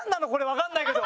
わかんないけど。